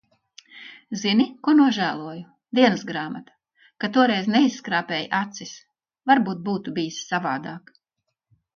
Zini, ko nožēloju, dienasgrāmata, ka toreiz neizskrāpēju acis, varbūt būtu bijis savādāk.